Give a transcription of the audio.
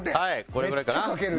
これぐらいかな。